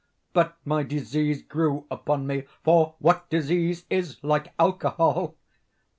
But my disease grew upon me—for what disease is like Alcohol!